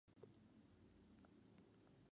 Incluso el Arq.